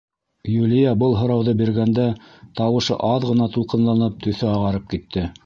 — Юлия был һорауҙы биргәндә тауышы аҙ ғына тулҡынланып, төҫө ағарып китте.